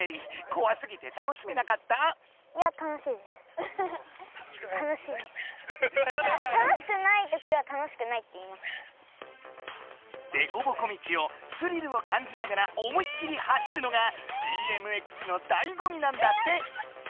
いやでこぼこ道をスリルを感じながら思いっきり走るのがＢＭＸのだいごみなんだって！